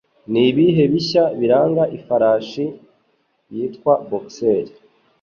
Nibihe bishya biranga ifarashi yitwa Boxer?